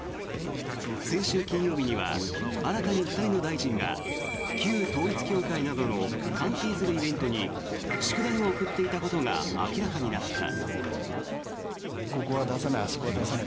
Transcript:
先週金曜日には新たに２人の大臣が旧統一教会などの関係するイベントに祝電を送っていたことが明らかになった。